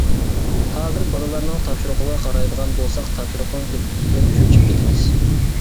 ھازىر بالىلارنىڭ تاپشۇرۇقىغا قارايدىغان بولساق تاپشۇرۇقنىڭ كۆپلۈكىدىن چۆچۈپ كېتىمىز.